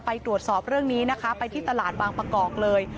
ไปตรวจสอบเรื่องนี้นะคะไปที่ตลาดบางประกอบเลย